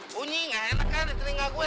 bunyi gak enak kan ada telinga gue